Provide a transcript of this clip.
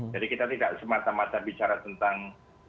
jadi kita tidak semata mata bicara tentang